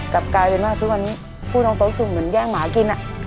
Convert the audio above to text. กลับกลายเป็นว่าทุกวันนี้พูดตรงโต๊ะคือเหมือนแย่งหมากิน